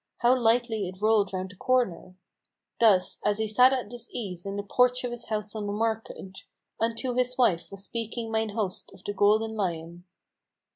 How lightly it rolled round the corner!" Thus, as he sat at his ease in the porch of his house on the market, Unto his wife was speaking mine host of the Golden Lion.